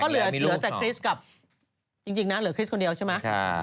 เหลือแต่คริสต์กับจริงนะเหลือคริสคนเดียวใช่ไหม